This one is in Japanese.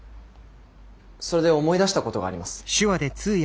それで思い出したことがあります。